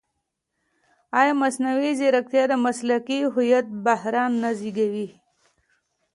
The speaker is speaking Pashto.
ایا مصنوعي ځیرکتیا د مسلکي هویت بحران نه زېږوي؟